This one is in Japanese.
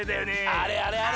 あれあれあれ！